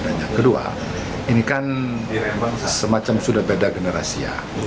dan yang kedua ini kan semacam sudah beda generasi ya